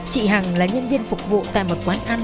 chị hằng là nhân viên phục vụ tại một quán ăn ở hà nội